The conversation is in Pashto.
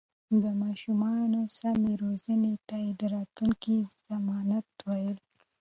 د ماشومانو سمې روزنې ته يې د راتلونکي ضمانت ويل.